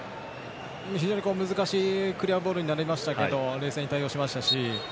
非常に難しいクリアボールになりましたけど冷静に対応しましたし。